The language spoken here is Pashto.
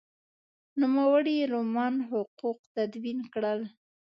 نوموړي رومن حقوق تدوین کړل.